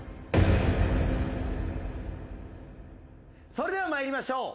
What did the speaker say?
それでは参りましょう。